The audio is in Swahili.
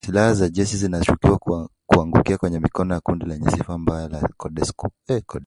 Silaha za jeshi zinashukiwa kuangukia kwenye mikono ya kundi lenye sifa mbaya la CODECO